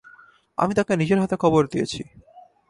আমি তাকে নিজের হাতে কবর দিয়েছি।